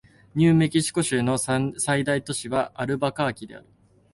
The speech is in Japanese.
ニューメキシコ州の最大都市はアルバカーキである